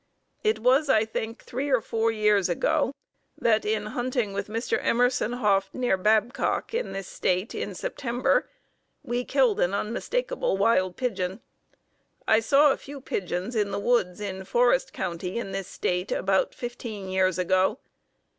It was, I think, three or four years ago that, in hunting with Mr. Emerson Hough near Babcock in this State in September, we killed an unmistakable wild pigeon. I saw a few pigeons in the woods in Forest County, in this State, about fifteen years ago.